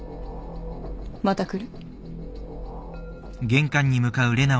また来る。